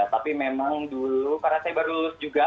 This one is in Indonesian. tapi memang dulu karena saya baru lulus juga